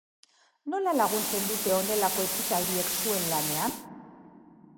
Nola laguntzen dute honelako ekitaldiek zuen lanean?